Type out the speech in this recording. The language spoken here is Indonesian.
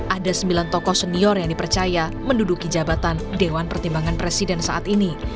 ada sembilan tokoh senior yang dipercaya menduduki jabatan dewan pertimbangan presiden saat ini